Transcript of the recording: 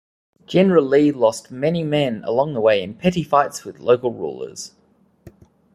General Li lost many men along the way in petty fights with local rulers.